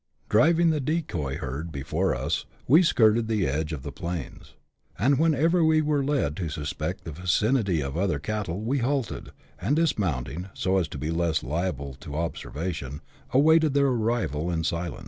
Driving the decoy herd before us, we skirted the edge of the plains, and whenever we were led to so^iect the vicinity of other cattle, we halted, and, dismounting, so as to be less liable to observation, awaited their arrival in silence.